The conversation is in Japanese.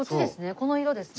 この色ですね。